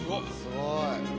すごい。